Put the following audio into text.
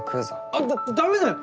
あっダダダメだよ！